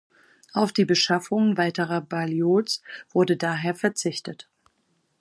Auf die Beschaffung weiterer Balliols wurde daher verzichtet.